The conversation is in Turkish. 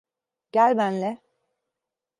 Gel benle.